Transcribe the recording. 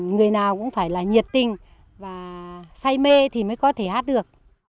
người nào cũng phải là nhiệt tình và say mê thì mới có thể hát được